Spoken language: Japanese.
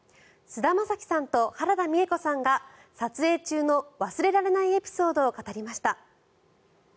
菅田将暉さんと原田美枝子さんが撮影中の忘れられないエピソードを語りました。